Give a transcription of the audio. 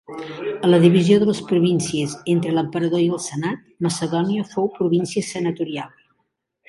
A la divisió de les províncies entre l'emperador i el senat, Macedònia fou província senatorial.